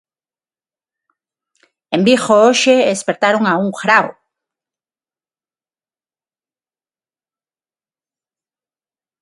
En Vigo hoxe espertaron a un grao.